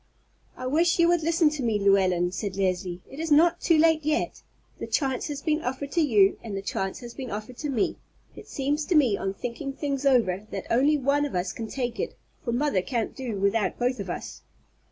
"I wish you would listen to me, Llewellyn," said Leslie; "it is not too late yet. The chance has been offered to you and the chance has been offered to me. It seems to me, on thinking things over, that only one of us can take it, for mother can't do without both of us."